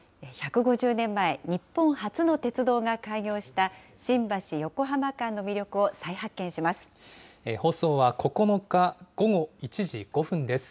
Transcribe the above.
１５０年前、日本初の鉄道が開業した新橋・横浜間の魅力を再発見放送は９日午後１時５分です。